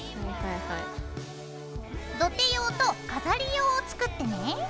土手用と飾り用を作ってね。